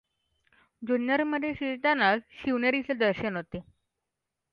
जुन्नर मध्ये शिरतानांच शिवनेरीचे दर्शन होते.